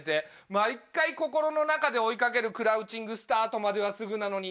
毎回心の中で追い掛けるクラウチングスタートまではすぐなのに。